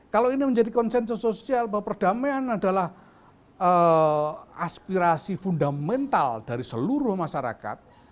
kalau ini menjadi konsensus sosial bahwa perdamaian adalah aspirasi fundamental dari seluruh masyarakat